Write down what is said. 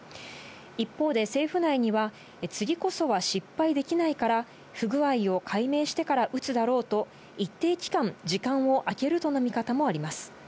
一方で政府内には、次こそは失敗できないから、不具合を解明してから撃つだろうと一定期間、時間を空けるとの見方もあります。